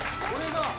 これが。